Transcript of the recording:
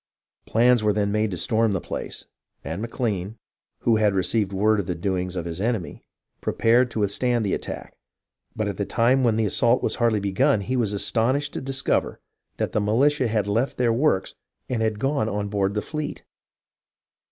Plans were then made to storm the place, and McLean, who had received word of the doings of his enemy, pre pared to withstand the attack ; but at the time when the assault was hardly begun he was astonished to discover that the militia had left their works and gone on board the fleet.